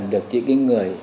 được những người